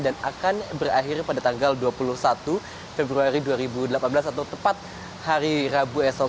dan akan berakhir pada tanggal dua puluh satu februari dua ribu delapan belas atau tepat hari rabu esok